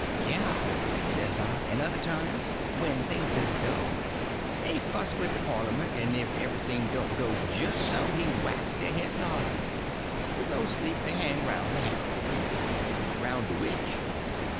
"Yes," says I, "and other times, when things is dull, they fuss with the parlyment; and if everybody don't go just so he whacks their heads off. But mostly they hang round the harem." "Roun' de which?"